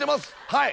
はい。